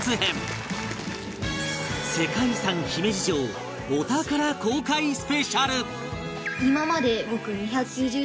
世界遺産姫路城お宝公開スペシャル